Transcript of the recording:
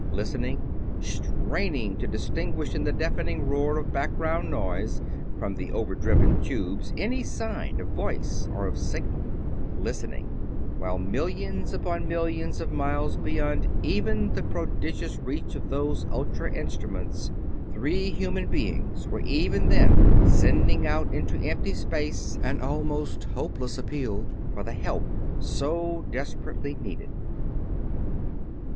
Listening straining to distinguish in the deafening roar of background noise from the over driven tubes any sign of voice or of signal: Listening while, millions upon millions of miles beyond even the prodigious reach of those ultra instruments, three human beings were even then sending out into empty space an almost hopeless appeal for the help so desperately needed!